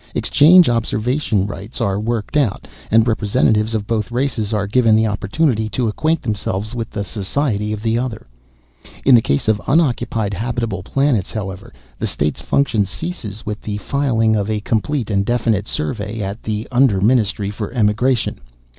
Exchange observation rights are worked out, and representatives of both races are given the opportunity to acquaint themselves with the society of the other. "In the case of unoccupied, habitable planets, however, the state's function ceases with the filing of a complete and definitive survey at the Under Ministry for Emigration.